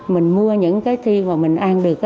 mình mua những cái chi mà mình ăn được